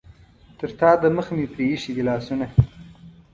تر تا دمخه مې پرې ایښي دي لاسونه.